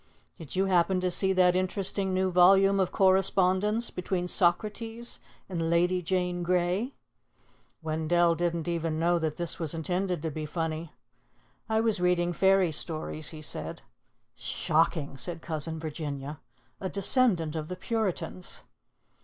"Did you happen to see that interesting new volume of correspondence between Socrates and Lady Jane Grey?" Wendell didn't even know that this was intended to be funny. "I was reading fairy stories," he said. "Shocking!" said Cousin Virginia. "A descendant of the Puritans!"